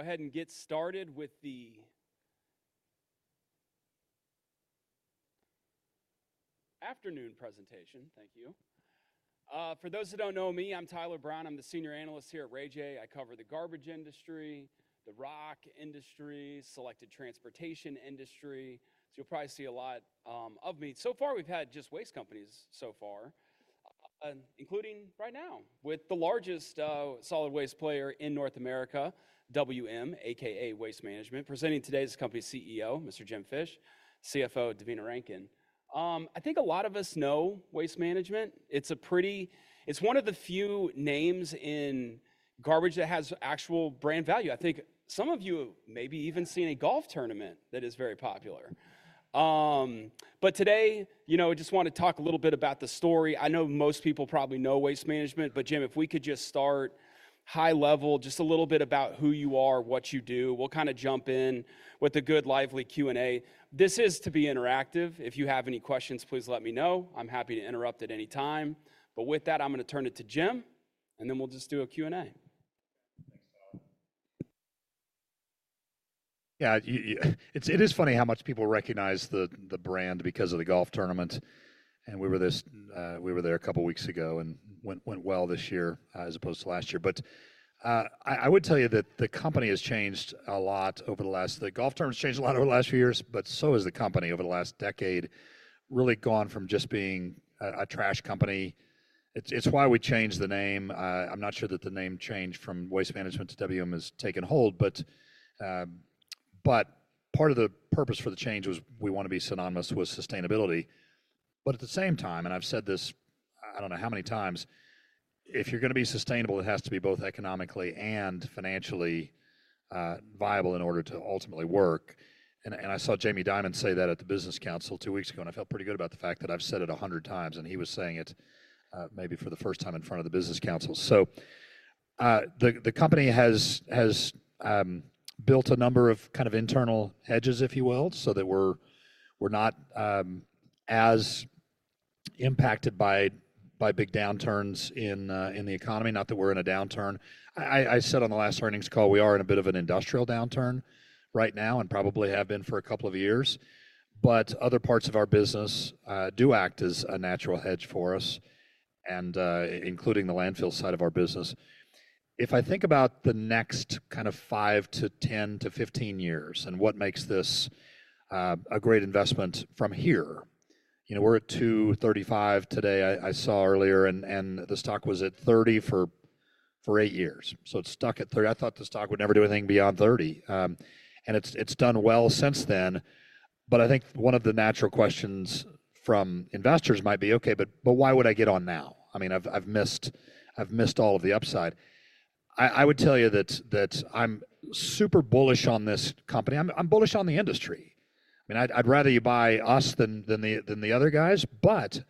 Go ahead and get started with the afternoon presentation. Thank you. For those who don't know me, I'm Tyler Brown. I'm the senior analyst here at RayJay. I cover the garbage industry, the rock industry, selected transportation industry. So you'll probably see a lot of me. So far, we've had just waste companies so far, including right now with the largest solid waste player in North America, WM, a.k.a. Waste Management, presenting today as the company's CEO, Mr. Jim Fish, CFO, Devina Rankin. I think a lot of us know Waste Management. It's a pretty, it's one of the few names in garbage that has actual brand value. I think some of you have maybe even seen a golf tournament that is very popular. But today, you know, I just want to talk a little bit about the story. I know most people probably know Waste Management, but Jim, if we could just start high level, just a little bit about who you are, what you do, we'll kind of jump in with a good lively Q&A. This is to be interactive. If you have any questions, please let me know. I'm happy to interrupt at any time. But with that, I'm going to turn it to Jim, and then we'll just do a Q&A. Yeah, it is funny how much people recognize the brand because of the golf tournament, and we were there a couple of weeks ago and went well this year as opposed to last year. I would tell you that the company has changed a lot. The golf tournament has changed a lot over the last few years, but so has the company over the last decade, really gone from just being a trash company. It's why we changed the name. I'm not sure that the name changed from Waste Management to WM has taken hold, but part of the purpose for the change was we want to be synonymous with sustainability, but at the same time, and I've said this, I don't know how many times, if you're going to be sustainable, it has to be both economically and financially viable in order to ultimately work. I saw Jamie Dimon say that at the Business Council two weeks ago, and I felt pretty good about the fact that I've said it a hundred times, and he was saying it maybe for the first time in front of the Business Council. The company has built a number of kind of internal hedges, if you will, so that we're not as impacted by big downturns in the economy, not that we're in a downturn. I said on the last earnings call, we are in a bit of an industrial downturn right now and probably have been for a couple of years, but other parts of our business do act as a natural hedge for us, including the landfill side of our business. If I think about the next kind of five to ten to fifteen years and what makes this a great investment from here, you know, we're at $235 today, I saw earlier, and the stock was at $30 for eight years. So it's stuck at $30. I thought the stock would never do anything beyond $30, and it's done well since then, but I think one of the natural questions from investors might be, okay, but why would I get on now? I mean, I've missed all of the upside. I would tell you that I'm super bullish on this company. I'm bullish on the industry. I mean, I'd rather you buy us than the other guys, but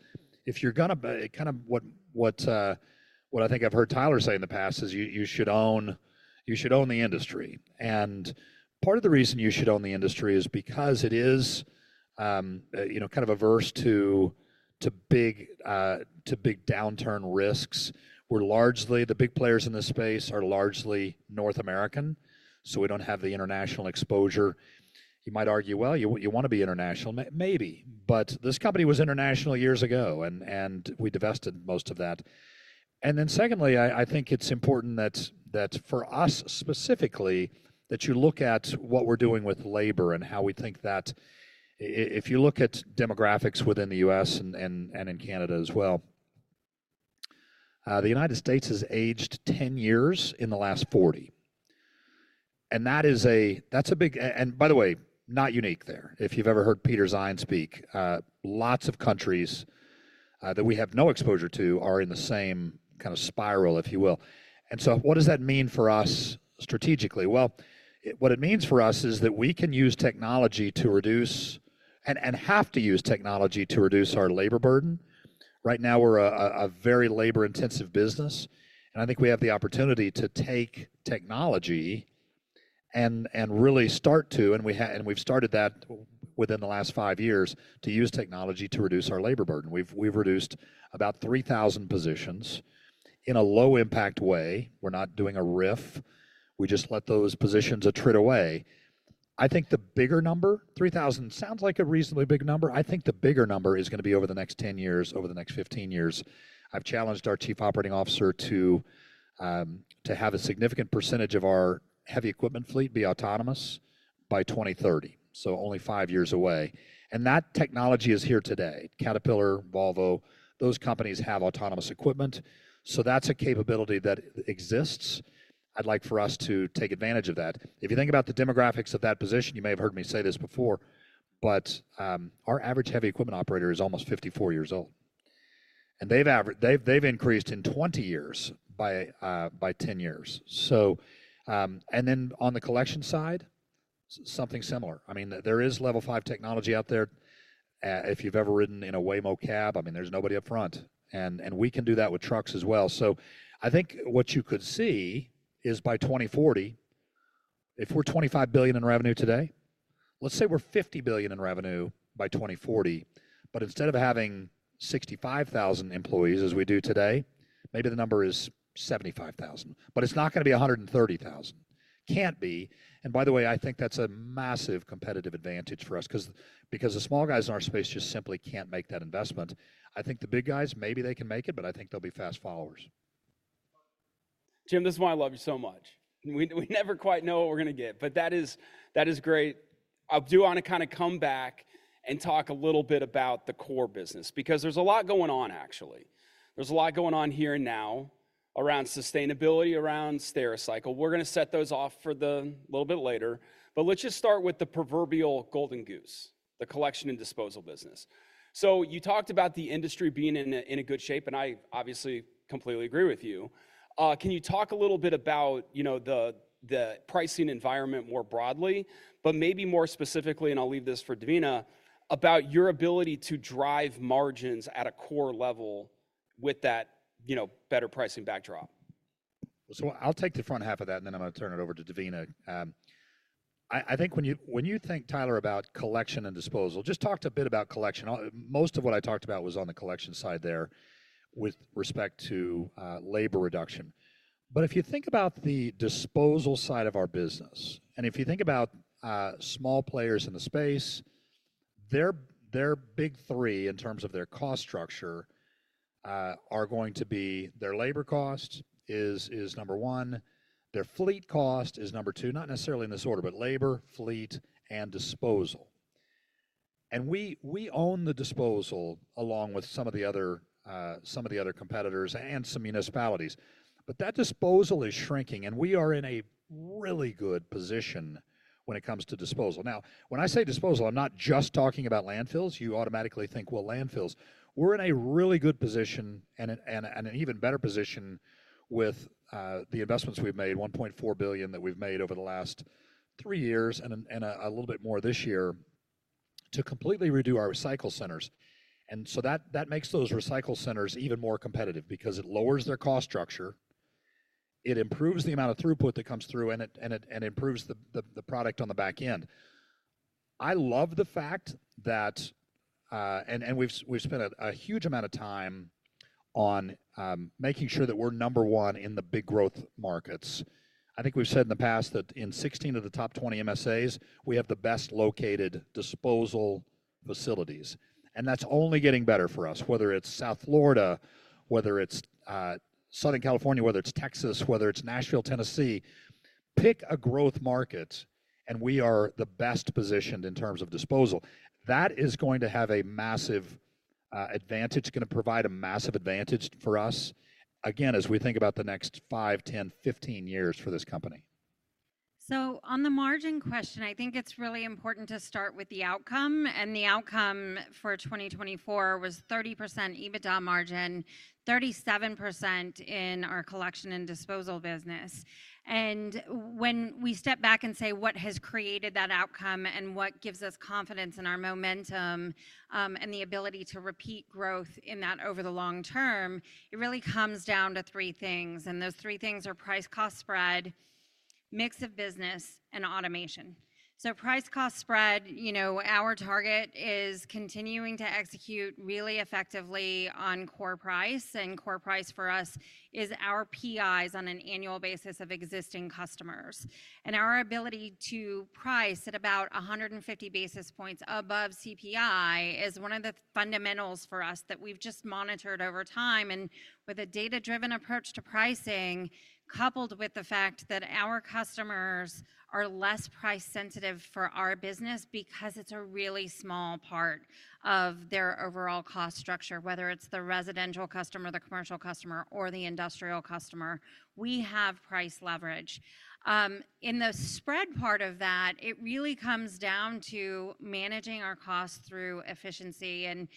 if you're going to kind of—what I think I've heard Tyler say in the past is you should own the industry. And part of the reason you should own the industry is because it is, you know, kind of averse to big downturn risks. We're largely, the big players in this space are largely North American, so we don't have the international exposure. You might argue, well, you want to be international, maybe, but this company was international years ago, and we divested most of that. And then secondly, I think it's important that for us specifically, that you look at what we're doing with labor and how we think that if you look at demographics within the U.S. and in Canada as well, the United States has aged 10 years in the last 40. And that's a big, and by the way, not unique there. If you've ever heard Peter Zeihan speak, lots of countries that we have no exposure to are in the same kind of spiral, if you will, and so what does that mean for us strategically. Well, what it means for us is that we can use technology to reduce and have to use technology to reduce our labor burden. Right now, we're a very labor-intensive business, and I think we have the opportunity to take technology and really start to—and we've started that within the last five years—to use technology to reduce our labor burden. We've reduced about 3,000 positions in a low-impact way. We're not doing a RIF. We just let those positions fade away. I think the bigger number, 3,000 sounds like a reasonably big number. I think the bigger number is going to be over the next 10 years, over the next 15 years. I've challenged our Chief Operating Officer to have a significant percentage of our heavy equipment fleet be autonomous by 2030, so only five years away, and that technology is here today. Caterpillar, Volvo, those companies have autonomous equipment, so that's a capability that exists. I'd like for us to take advantage of that. If you think about the demographics of that position, you may have heard me say this before, but our average heavy equipment operator is almost 54 years old, and they've increased in 20 years by 10 years, and then on the collection side, something similar. I mean, there is Level 5 technology out there. If you've ever ridden in a Waymo cab, I mean, there's nobody up front, and we can do that with trucks as well. So I think what you could see is by 2040, if we're $25 billion in revenue today, let's say we're $50 billion in revenue by 2040, but instead of having 65,000 employees as we do today, maybe the number is 75,000. But it's not going to be 130,000. Can't be. And by the way, I think that's a massive competitive advantage for us because the small guys in our space just simply can't make that investment. I think the big guys, maybe they can make it, but I think they'll be fast followers. Jim, this is why I love you so much. We never quite know what we're going to get, but that is great. I do want to kind of come back and talk a little bit about the core business because there's a lot going on, actually. There's a lot going on here and now around sustainability, around Stericycle. We're going to set those off for a little bit later. But let's just start with the proverbial golden goose, the collection and disposal business. So you talked about the industry being in a good shape, and I obviously completely agree with you. Can you talk a little bit about, you know, the pricing environment more broadly, but maybe more specifically, and I'll leave this for Devina, about your ability to drive margins at a core level with that, you know, better pricing backdrop? So I'll take the front half of that, and then I'm going to turn it over to Devina. I think when you think, Tyler, about collection and disposal, just talked a bit about collection. Most of what I talked about was on the collection side there with respect to labor reduction. But if you think about the disposal side of our business, and if you think about small players in the space, their big three in terms of their cost structure are going to be their labor cost is number one. Their fleet cost is number two, not necessarily in this order, but labor, fleet, and disposal. And we own the disposal along with some of the other competitors and some municipalities. But that disposal is shrinking, and we are in a really good position when it comes to disposal. Now, when I say disposal, I'm not just talking about landfills. You automatically think, well, landfills. We're in a really good position and an even better position with the investments we've made, $1.4 billion that we've made over the last three years and a little bit more this year to completely redo our recycle centers, and so that makes those recycle centers even more competitive because it lowers their cost structure. It improves the amount of throughput that comes through and improves the product on the back end. I love the fact that, and we've spent a huge amount of time on making sure that we're number one in the big growth markets. I think we've said in the past that in 16 of the top 20 MSAs, we have the best located disposal facilities. And that's only getting better for us, whether it's South Florida, whether it's Southern California, whether it's Texas, whether it's Nashville, Tennessee. Pick a growth market, and we are the best positioned in terms of disposal. That is going to have a massive advantage. It's going to provide a massive advantage for us, again, as we think about the next five, ten, fifteen years for this company. So on the margin question, I think it's really important to start with the outcome. And the outcome for 2024 was 30% EBITDA margin, 37% in our collection and disposal business. And when we step back and say what has created that outcome and what gives us confidence in our momentum and the ability to repeat growth in that over the long term, it really comes down to three things. And those three things are price-cost spread, mix of business, and automation. So price-cost spread, you know, our target is continuing to execute really effectively on core price. And core price for us is our PIs on an annual basis of existing customers. And our ability to price at about 150 basis points above CPI is one of the fundamentals for us that we've just monitored over time. And with a data-driven approach to pricing, coupled with the fact that our customers are less price-sensitive for our business because it's a really small part of their overall cost structure, whether it's the residential customer, the commercial customer, or the industrial customer, we have price leverage. In the spread part of that, it really comes down to managing our costs through efficiency. And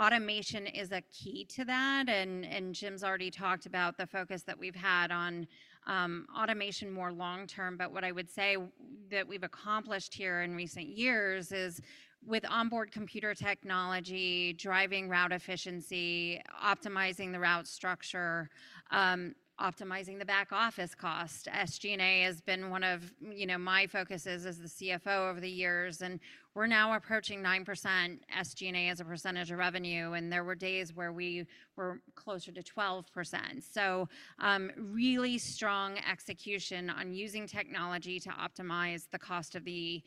automation is a key to that. And Jim's already talked about the focus that we've had on automation more long term. But what I would say that we've accomplished here in recent years is with onboard computer technology, driving route efficiency, optimizing the route structure, optimizing the back office cost. SG&A has been one of, you know, my focuses as the CFO over the years. And we're now approaching 9% SG&A as a percentage of revenue. And there were days where we were closer to 12%. So really strong execution on using technology to optimize the cost of the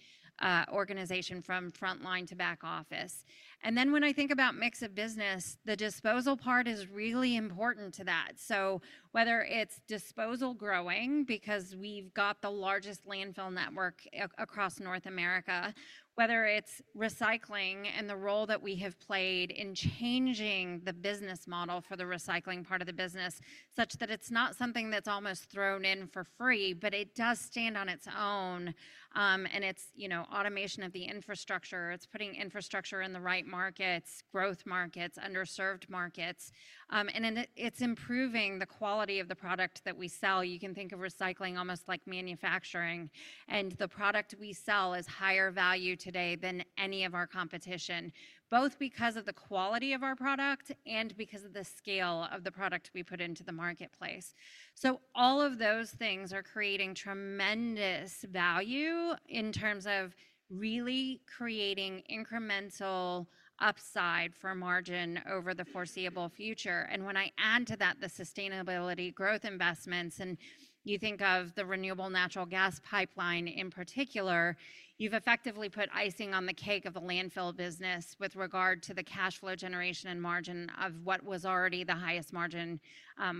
organization from front line to back office. And then when I think about mix of business, the disposal part is really important to that. So whether it's disposal growing because we've got the largest landfill network across North America, whether it's recycling and the role that we have played in changing the business model for the recycling part of the business such that it's not something that's almost thrown in for free, but it does stand on its own. And it's, you know, automation of the infrastructure. It's putting infrastructure in the right markets, growth markets, underserved markets. And it's improving the quality of the product that we sell. You can think of recycling almost like manufacturing. And the product we sell is higher value today than any of our competition, both because of the quality of our product and because of the scale of the product we put into the marketplace. So all of those things are creating tremendous value in terms of really creating incremental upside for margin over the foreseeable future. And when I add to that the sustainability growth investments, and you think of the renewable natural gas pipeline in particular, you've effectively put icing on the cake of the landfill business with regard to the cash flow generation and margin of what was already the highest margin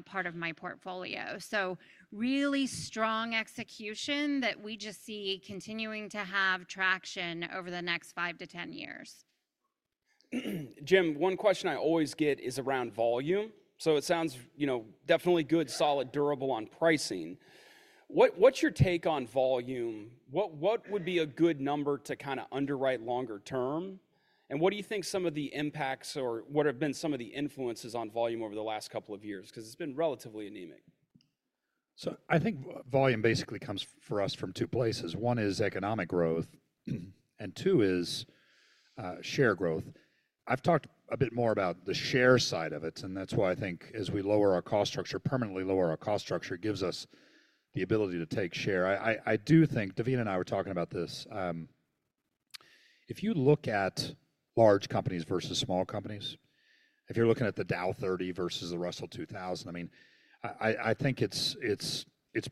part of my portfolio. So really strong execution that we just see continuing to have traction over the next five to ten years. Jim, one question I always get is around volume. So it sounds, you know, definitely good, solid, durable on pricing. What's your take on volume? What would be a good number to kind of underwrite longer term? And what do you think some of the impacts or what have been some of the influences on volume over the last couple of years? Because it's been relatively anemic. So I think volume basically comes for us from two places. One is economic growth, and two is share growth. I've talked a bit more about the share side of it, and that's why I think as we lower our cost structure, permanently lower our cost structure, it gives us the ability to take share. I do think, Devina and I were talking about this, if you look at large companies versus small companies, if you're looking at the Dow 30 versus the Russell 2000, I mean, I think it's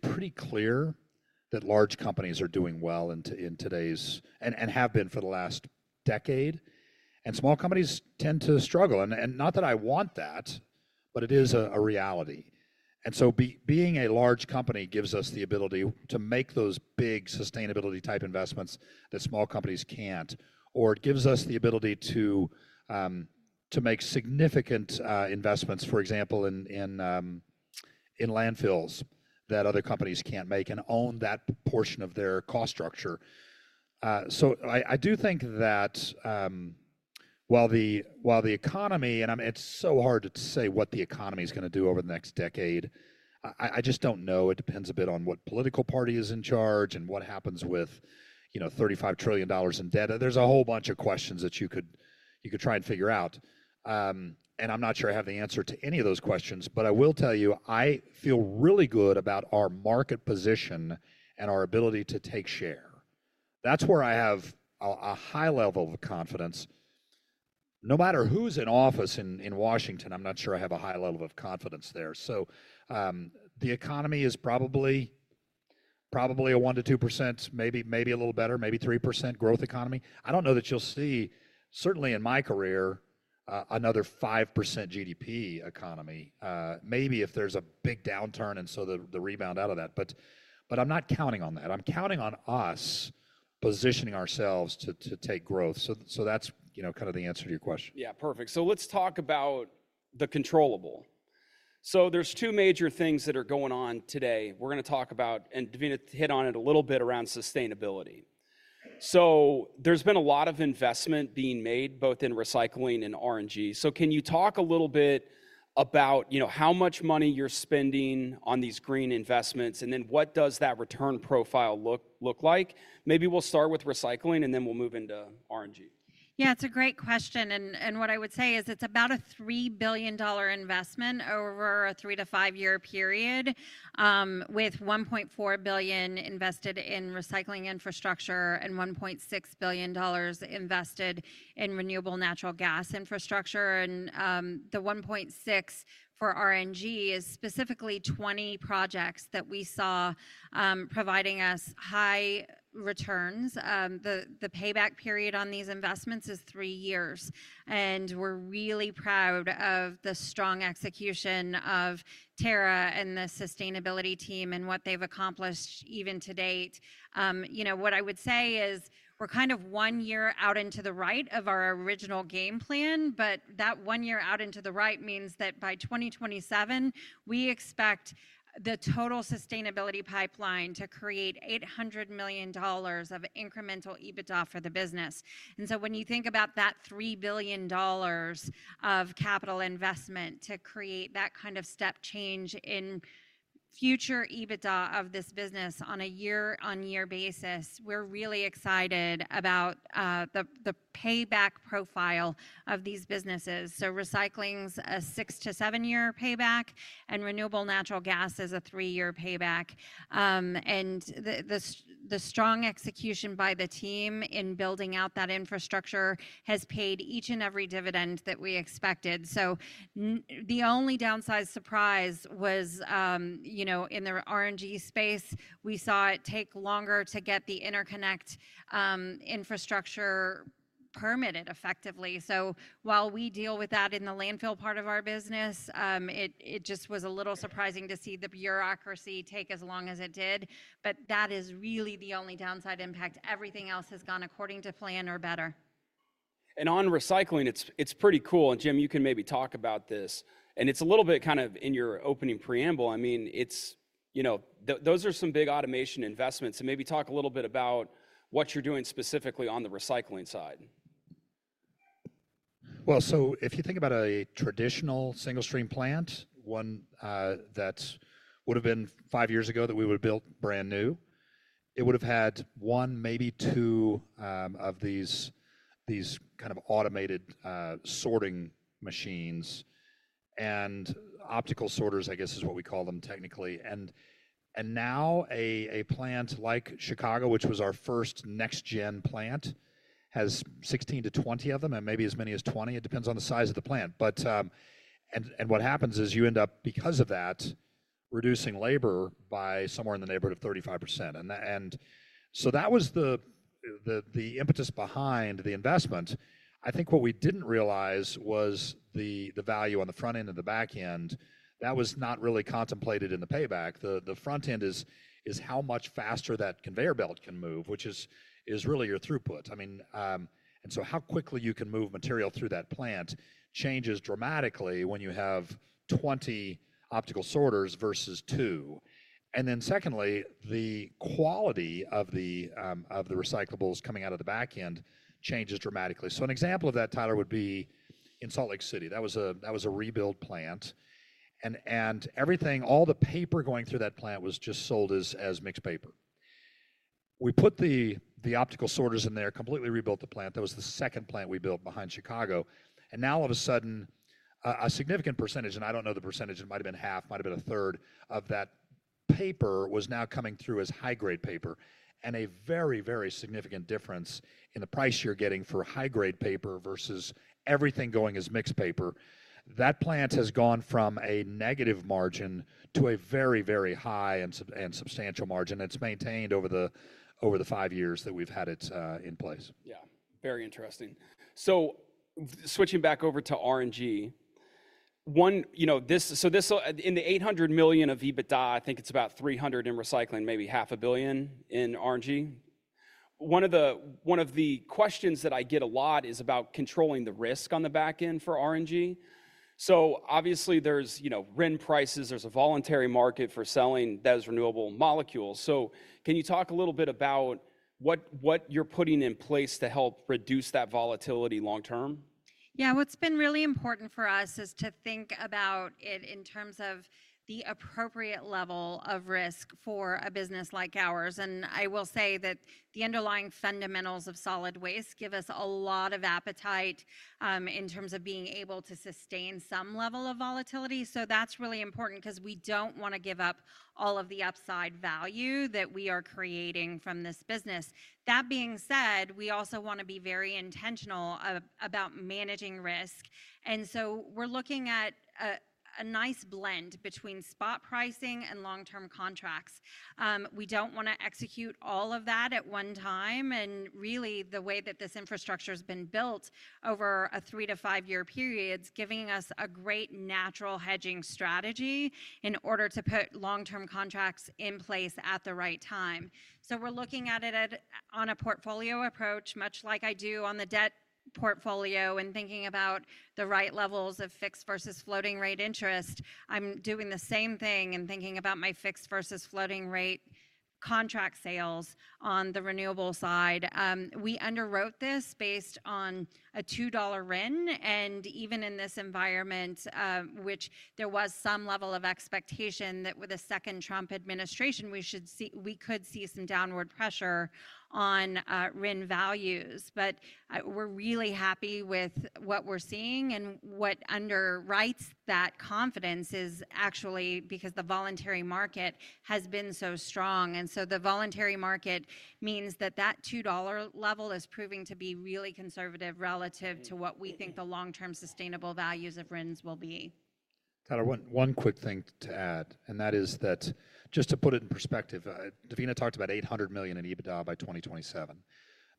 pretty clear that large companies are doing well in today's and have been for the last decade. And small companies tend to struggle. And not that I want that, but it is a reality. And so being a large company gives us the ability to make those big sustainability type investments that small companies can't, or it gives us the ability to make significant investments, for example, in landfills that other companies can't make and own that portion of their cost structure. So I do think that while the economy, and it's so hard to say what the economy is going to do over the next decade, I just don't know. It depends a bit on what political party is in charge and what happens with, you know, $35 trillion in debt. There's a whole bunch of questions that you could try and figure out. And I'm not sure I have the answer to any of those questions, but I will tell you, I feel really good about our market position and our ability to take share. That's where I have a high level of confidence. No matter who's in office in Washington, I'm not sure I have a high level of confidence there. So the economy is probably a 1%-2%, maybe a little better, maybe 3% growth economy. I don't know that you'll see, certainly in my career, another 5% GDP economy, maybe if there's a big downturn and so the rebound out of that. But I'm not counting on that. I'm counting on us positioning ourselves to take growth. So that's, you know, kind of the answer to your question. Yeah, perfect. So let's talk about the controllable. So there's two major things that are going on today. We're going to talk about, and Devina hit on it a little bit around sustainability. So there's been a lot of investment being made both in recycling and RNG. So can you talk a little bit about, you know, how much money you're spending on these green investments and then what does that return profile look like? Maybe we'll start with recycling and then we'll move into RNG. Yeah, it's a great question, and what I would say is it's about a $3 billion investment over a three- to five-year period with $1.4 billion invested in recycling infrastructure and $1.6 billion invested in renewable natural gas infrastructure, and the $1.6 billion for RNG is specifically 20 projects that we saw providing us high returns. The payback period on these investments is three years, and we're really proud of the strong execution of Tara and the sustainability team and what they've accomplished even to date. You know, what I would say is we're kind of one year out into the right of our original game plan, but that one year out into the right means that by 2027, we expect the total sustainability pipeline to create $800 million of incremental EBITDA for the business. And so when you think about that $3 billion of capital investment to create that kind of step change in future EBITDA of this business on a year-on-year basis, we're really excited about the payback profile of these businesses. So recycling's a six to seven year payback, and renewable natural gas is a three year payback. And the strong execution by the team in building out that infrastructure has paid each and every dividend that we expected. So the only downside surprise was, you know, in the RNG space, we saw it take longer to get the interconnect infrastructure permitted effectively. So while we deal with that in the landfill part of our business, it just was a little surprising to see the bureaucracy take as long as it did. But that is really the only downside impact. Everything else has gone according to plan or better. On recycling, it's pretty cool. Jim, you can maybe talk about this. It's a little bit kind of in your opening preamble. I mean, it's, you know, those are some big automation investments. Maybe talk a little bit about what you're doing specifically on the recycling side. If you think about a traditional single stream plant, one that would have been five years ago that we would have built brand new, it would have had one, maybe two of these kind of automated sorting machines. Optical sorters, I guess, is what we call them technically. Now a plant like Chicago, which was our first next gen plant, has 16-20 of them and maybe as many as 20. It depends on the size of the plant. What happens is you end up, because of that, reducing labor by somewhere in the neighborhood of 35%. That was the impetus behind the investment. I think what we didn't realize was the value on the front end and the back end. That was not really contemplated in the payback. The front end is how much faster that conveyor belt can move, which is really your throughput. I mean, and so how quickly you can move material through that plant changes dramatically when you have 20 optical sorters versus two, and then secondly, the quality of the recyclables coming out of the back end changes dramatically, so an example of that, Tyler, would be in Salt Lake City. That was a rebuild plant, and everything, all the paper going through that plant was just sold as mixed paper. We put the optical sorters in there, completely rebuilt the plant. That was the second plant we built behind Chicago, and now all of a sudden, a significant percentage, and I don't know the percentage, it might have been half, might have been a third of that paper was now coming through as high grade paper. A very, very significant difference in the price you're getting for high grade paper versus everything going as mixed paper. That plant has gone from a negative margin to a very, very high and substantial margin. It's maintained over the five years that we've had it in place. Yeah, very interesting. So switching back over to RNG, one, you know, so this in the $800 million of EBITDA, I think it's about $300 million in recycling, maybe $500 million in RNG. One of the questions that I get a lot is about controlling the risk on the back end for RNG. So obviously there's, you know, RIN prices, there's a voluntary market for selling those renewable molecules. So can you talk a little bit about what you're putting in place to help reduce that volatility long term? Yeah, what's been really important for us is to think about it in terms of the appropriate level of risk for a business like ours. And I will say that the underlying fundamentals of solid waste give us a lot of appetite in terms of being able to sustain some level of volatility. So that's really important because we don't want to give up all of the upside value that we are creating from this business. That being said, we also want to be very intentional about managing risk. And so we're looking at a nice blend between spot pricing and long term contracts. We don't want to execute all of that at one time. Really, the way that this infrastructure has been built over a three- to five-year period is giving us a great natural hedging strategy in order to put long-term contracts in place at the right time. We're looking at it on a portfolio approach, much like I do on the debt portfolio and thinking about the right levels of fixed versus floating rate interest. I'm doing the same thing and thinking about my fixed versus floating rate contract sales on the renewable side. We underwrote this based on a $2 RIN. Even in this environment, which there was some level of expectation that with a second Trump administration, we could see some downward pressure on RIN values. We're really happy with what we're seeing and what underwrites that confidence is actually because the voluntary market has been so strong. And so the voluntary market means that that $2 level is proving to be really conservative relative to what we think the long term sustainable values of RINs will be. Tyler, one quick thing to add, and that is that just to put it in perspective, Devina talked about $800 million in EBITDA by 2027.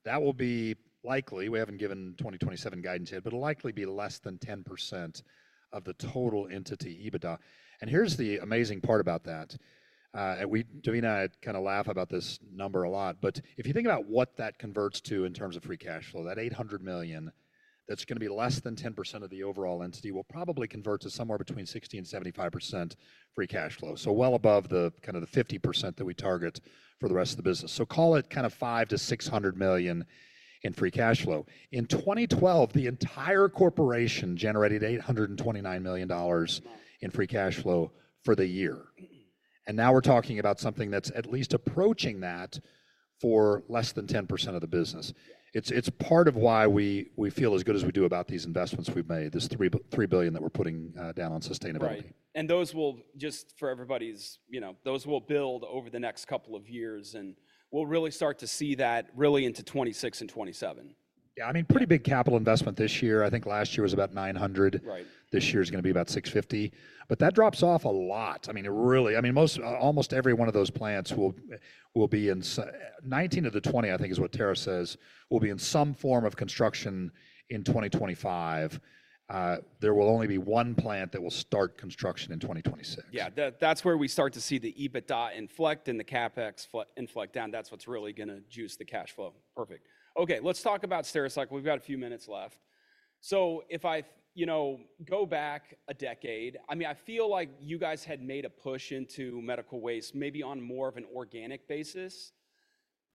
That will be likely, we haven't given 2027 guidance yet, but it'll likely be less than 10% of the total entity EBITDA. And here's the amazing part about that. Devina had kind of laughed about this number a lot, but if you think about what that converts to in terms of free cash flow, that $800 million, that's going to be less than 10% of the overall entity will probably convert to somewhere between 60% and 75% free cash flow. So well above the kind of the 50% that we target for the rest of the business. So call it kind of $500-600 million in free cash flow. In 2012, the entire corporation generated $829 million in free cash flow for the year. Now we're talking about something that's at least approaching that for less than 10% of the business. It's part of why we feel as good as we do about these investments we've made, this $3 billion that we're putting down on sustainability. Right. And those will, you know, build over the next couple of years. And we'll really start to see that into 2026 and 2027. Yeah, I mean, pretty big capital investment this year. I think last year was about $900. This year is going to be about $650. But that drops off a lot. I mean, really, I mean, almost every one of those plants will be in 19 of the 20, I think is what Tara says, will be in some form of construction in 2025. There will only be one plant that will start construction in 2026. Yeah, that's where we start to see the EBITDA inflect and the CapEx inflect down. That's what's really going to juice the cash flow. Perfect. Okay, let's talk about Stericycle. We've got a few minutes left. So if I, you know, go back a decade, I mean, I feel like you guys had made a push into medical waste maybe on more of an organic basis.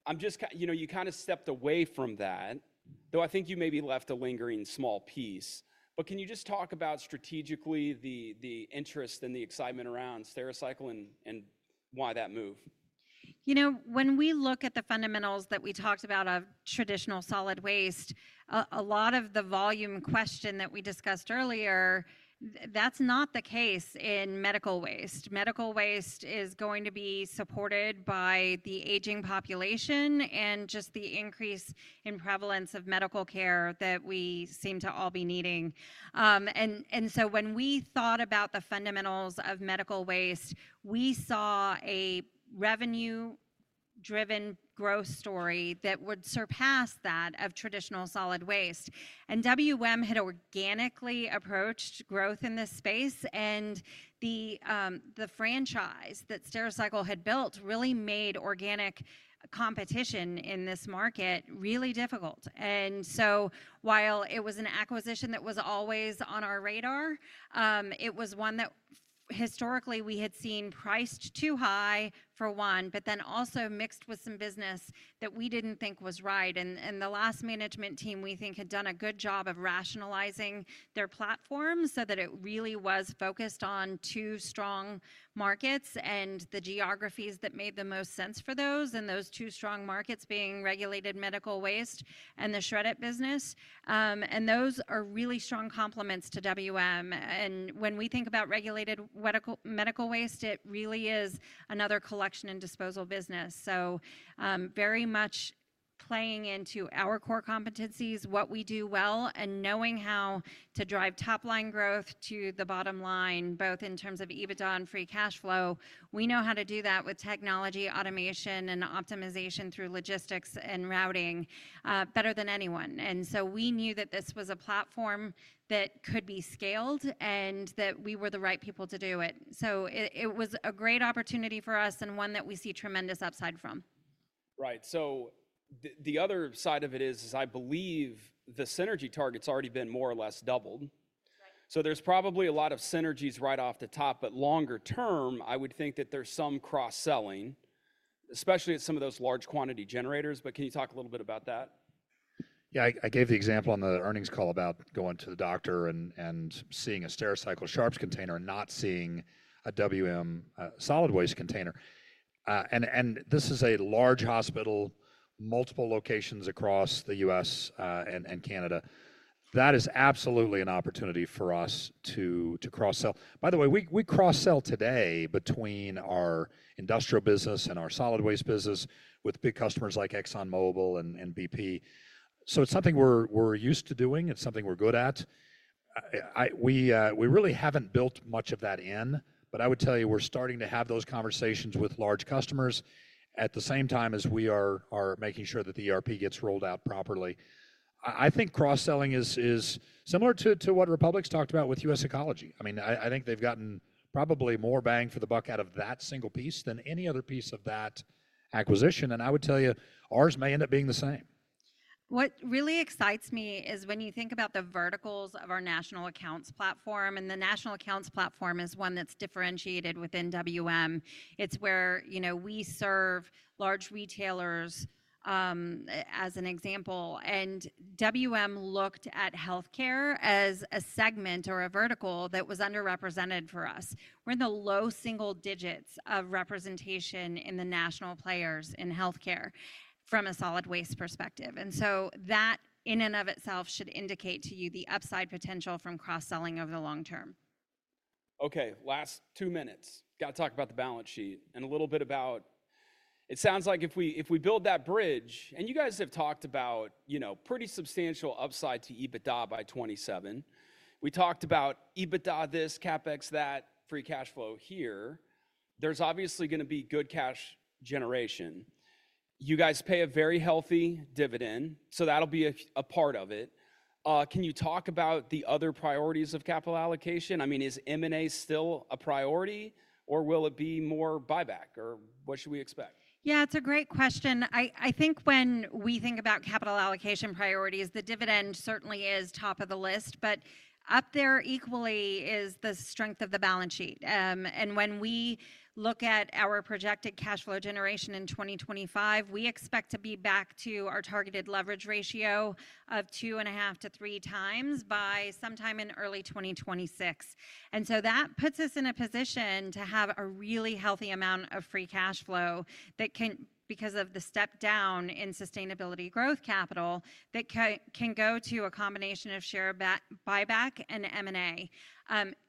I'm just, you know, you kind of stepped away from that, though I think you maybe left a lingering small piece. But can you just talk about strategically the interest and the excitement around Stericycle and why that move? You know, when we look at the fundamentals that we talked about of traditional solid waste, a lot of the volume question that we discussed earlier, that's not the case in medical waste. Medical waste is going to be supported by the aging population and just the increase in prevalence of medical care that we seem to all be needing. And so when we thought about the fundamentals of medical waste, we saw a revenue-driven growth story that would surpass that of traditional solid waste. And WM had organically approached growth in this space. And the franchise that Stericycle had built really made organic competition in this market really difficult. And so while it was an acquisition that was always on our radar, it was one that historically we had seen priced too high for one, but then also mixed with some business that we didn't think was right. And the last management team we think had done a good job of rationalizing their platform so that it really was focused on two strong markets and the geographies that made the most sense for those, and those two strong markets being regulated medical waste and the Shred-it business. And those are really strong complements to WM. And when we think about regulated medical waste, it really is another collection and disposal business. So very much playing into our core competencies, what we do well and knowing how to drive top line growth to the bottom line, both in terms of EBITDA and free cash flow, we know how to do that with technology, automation, and optimization through logistics and routing better than anyone. And so we knew that this was a platform that could be scaled and that we were the right people to do it. So it was a great opportunity for us and one that we see tremendous upside from. Right. So the other side of it is, is I believe the synergy target's already been more or less doubled. So there's probably a lot of synergies right off the top, but longer term, I would think that there's some cross-selling, especially at some of those large quantity generators. But can you talk a little bit about that? Yeah, I gave the example on the earnings call about going to the doctor and seeing a Stericycle Sharps container and not seeing a WM solid waste container, and this is a large hospital, multiple locations across the U.S. and Canada. That is absolutely an opportunity for us to cross-sell. By the way, we cross-sell today between our industrial business and our solid waste business with big customers like ExxonMobil and BP, so it's something we're used to doing. It's something we're good at. We really haven't built much of that in, but I would tell you we're starting to have those conversations with large customers at the same time as we are making sure that the ERP gets rolled out properly. I think cross-selling is similar to what Republic's talked about with US Ecology. I mean, I think they've gotten probably more bang for the buck out of that single piece than any other piece of that acquisition. And I would tell you ours may end up being the same. What really excites me is when you think about the verticals of our national accounts platform. And the national accounts platform is one that's differentiated within WM. It's where, you know, we serve large retailers as an example. And WM looked at healthcare as a segment or a vertical that was underrepresented for us. We're in the low single digits of representation in the national players in healthcare from a solid waste perspective. And so that in and of itself should indicate to you the upside potential from cross-selling over the long term. Okay, last two minutes. Got to talk about the balance sheet and a little bit about it sounds like if we build that bridge, and you guys have talked about, you know, pretty substantial upside to EBITDA by 2027. We talked about EBITDA this, CapEx that, free cash flow here. There's obviously going to be good cash generation. You guys pay a very healthy dividend, so that'll be a part of it. Can you talk about the other priorities of capital allocation? I mean, is M&A still a priority or will it be more buyback or what should we expect? Yeah, it's a great question. I think when we think about capital allocation priorities, the dividend certainly is top of the list, but up there equally is the strength of the balance sheet. And when we look at our projected cash flow generation in 2025, we expect to be back to our targeted leverage ratio of two and a half to three times by sometime in early 2026. And so that puts us in a position to have a really healthy amount of free cash flow that can, because of the step down in sustainability growth capital, that can go to a combination of share buyback and M&A.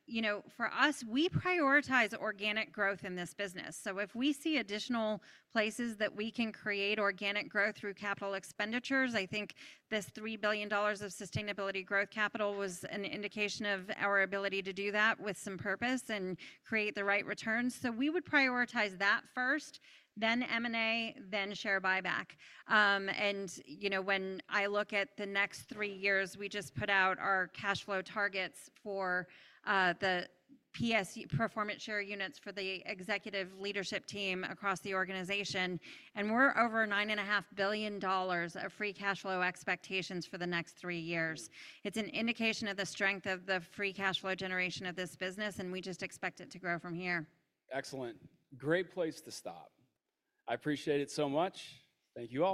You know, for us, we prioritize organic growth in this business. So if we see additional places that we can create organic growth through capital expenditures, I think this $3 billion of sustainability growth capital was an indication of our ability to do that with some purpose and create the right returns. So we would prioritize that first, then M&A, then share buyback. And, you know, when I look at the next three years, we just put out our cash flow targets for the performance share units for the executive leadership team across the organization. And we're over $9.5 billion of free cash flow expectations for the next three years. It's an indication of the strength of the free cash flow generation of this business, and we just expect it to grow from here. Excellent. Great place to stop. I appreciate it so much. Thank you all.